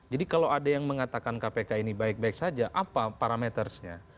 jadi kalau ada yang mengatakan kpk ini baik baik saja apa parametersnya